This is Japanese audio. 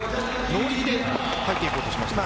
ここも今、ノーリーで入って行こうとしましたか。